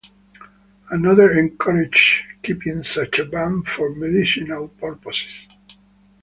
Another encourages keeping such a bun for medicinal purposes.